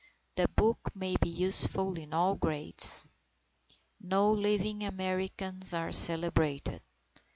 The book may be useful in all Grades. No living Americans are celebrated.